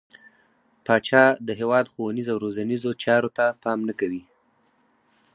پاچا د هيواد ښونيرو او روزنيزو چارو ته پام نه کوي.